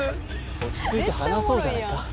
落ち着いて話そうじゃないか。